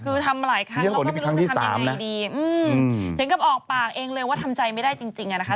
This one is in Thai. คือทำหลายครั้งแล้วก็ไม่รู้จะทำยังไงดีอืมถึงกับออกปากเองเลยว่าทำใจไม่ได้จริงจริงอ่ะนะคะ